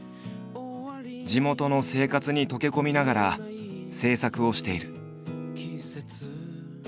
地元の生活に溶け込みながら制作をしている。